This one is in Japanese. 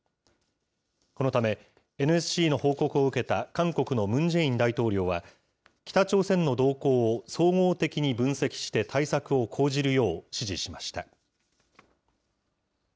このため、ＮＳＣの報告を受けた韓国のムン・ジェイン大統領は、北朝鮮の動向を総合的に分析して対策を講じるよう指示しました。